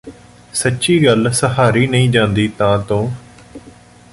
ਸੱਚੀ ਗੱਲ ਸਹਾਰੀ ਨਈਂ ਜਾਂਦੀ ਤਾਤੋਂ